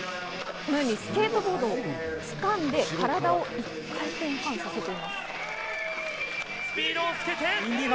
このようにスケートボードを掴んで体を１回転半させています。